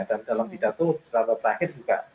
dan dalam bidatung terhadap rakyat juga